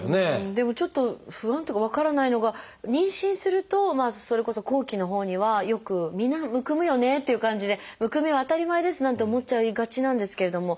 でもちょっと不安っていうか分からないのが妊娠するとそれこそ後期のほうにはよくみんなむくむよねという感じでむくみは当たり前ですなんて思っちゃいがちなんですけれども。